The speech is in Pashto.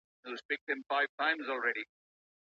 د تورو اندازه باید په لیکنه کي برابره وي.